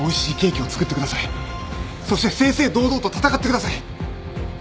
そして正々堂々と戦ってください。